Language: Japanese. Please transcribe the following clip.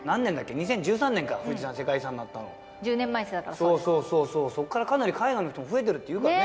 ２０１３年か富士山世界遺産になったの１０年前ですだからそうそうそうそうそっからかなり海外の人も増えてるっていうからね